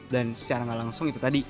dan secara nggak langsung itu tadi